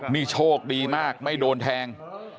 นี่โชคดีมากไม่โดนแทง